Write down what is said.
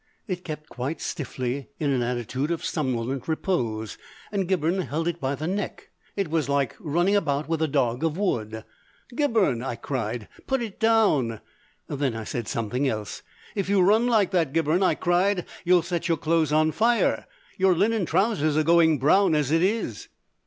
It kept quite stiffly in an attitude of somnolent repose, and Gibberne held it by the neck. It was like running about with a dog of wood. "Gibberne," I cried, "put it down!" Then I said something else. "If you run like that, Gibberne," I cried, "you'll set your clothes on fire. Your linen trousers are going brown as it is!"